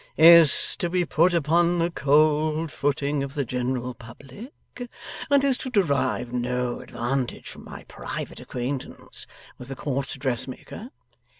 ' is to be put upon the cold footing of the general public, and is to derive no advantage from my private acquaintance with the Court Dressmaker?